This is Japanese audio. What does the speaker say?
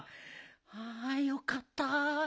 あよかった。